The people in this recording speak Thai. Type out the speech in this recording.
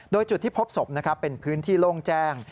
โดยจุดที่พบศพเป็นพื้นที่โล่งแจ้ง